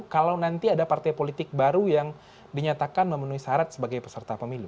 kalau nanti ada partai politik baru yang dinyatakan memenuhi syarat sebagai peserta pemilu